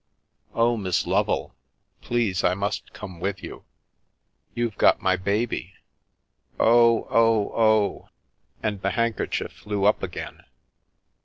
Oh, Miss Lovel, please, I must come with you. You've got my baby. Oh, oh, oh !" And the handkerchief flew up again.